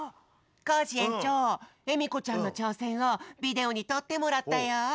コージ園長えみこちゃんのちょうせんをビデオにとってもらったよ。